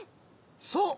そう！